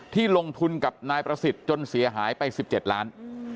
ที่ลงทุนกับนายประสิทธิ์จนเสียหายไป๑๗ล้าน